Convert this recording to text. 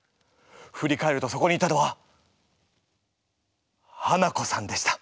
ふり返るとそこにいたのはハナコさんでした。